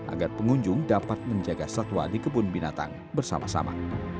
agar pengunjung dapat menjaga satwa di kebun binatang bersama sama